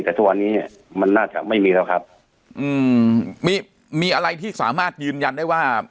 แต่ทุกวันนี้มันน่าจะไม่มีแล้วครับอืมมีมีอะไรที่สามารถยืนยันได้ว่า